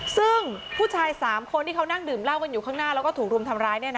ซึ่งผู้ชาย๓คนที่เขานั่งดื่มเหล้ากันอยู่ข้างหน้าแล้วก็ถูกรุมทำร้าย